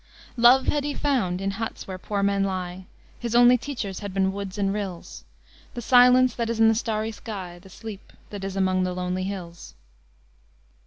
"Love had he found in huts where poor men lie: His only teachers had been woods and rills, The silence that is in the starry sky, The sleep that is among the lonely hills."